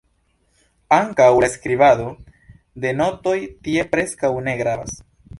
Ankaŭ la "skribado" de notoj tie preskaŭ ne gravas.